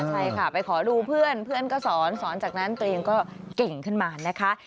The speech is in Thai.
ใช่ค่ะไปขอดูเพื่อนเพื่อนก็สอนสอนจากนั้นตัวเองก็เก่งขึ้นมานะคะ